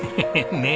ねえ。